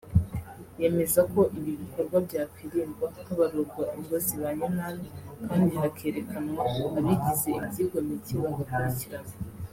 yemeza ko ibi bikorwa byakwirindwa habarurwa ingo zibanye nabi kandi hakerekanwa abigize ibyigomeke bagakurikiranwa